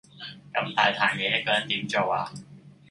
咁大壇嘢一個人點做啊